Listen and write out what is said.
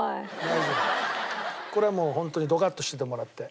これはもうホントにドカッとしててもらって。